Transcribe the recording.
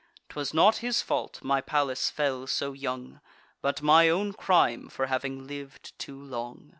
'Twas not his fault, my Pallas fell so young, But my own crime, for having liv'd too long.